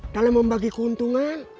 dalam membagi keuntungan